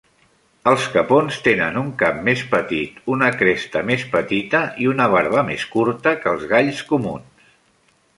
Els capons tenen un cap més petit, una cresta més petita i una barba més curta que els galls comuns.